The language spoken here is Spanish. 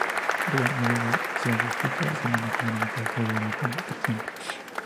Ryan Newman se ha descrito a sí misma como "Mitad judía y mitad cristiana".